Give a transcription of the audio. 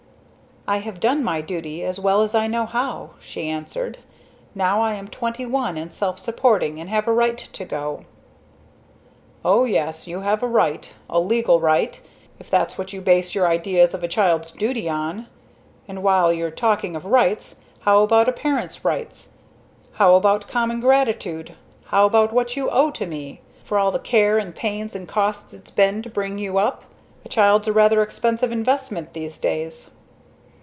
"I have done my duty as well as I know how," she answered. "Now I am twenty one, and self supporting and have a right to go." "O yes. You have a right a legal right if that's what you base your idea of a child's duty on! And while you're talking of rights how about a parent's rights? How about common gratitude! How about what you owe to me for all the care and pains and cost it's been to bring you up. A child's a rather expensive investment these days."